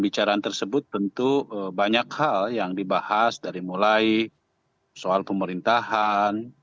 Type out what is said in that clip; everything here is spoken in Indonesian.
dan tersebut tentu banyak hal yang dibahas dari mulai soal pemerintahan